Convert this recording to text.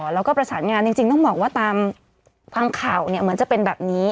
แล้วก็ประสานงานจริงต้องบอกว่าตามฟังข่าวเหมือนจะเป็นแบบนี้